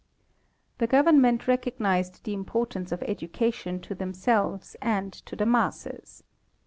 The government recognized the importance of education to themselves and to the masses.